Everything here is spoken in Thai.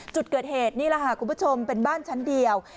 จุดเกิดเหตุนี่แหละค่ะคุณผู้ชมเป็นบ้านชั้นเดียว